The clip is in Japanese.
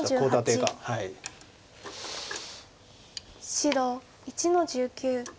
白１の十九。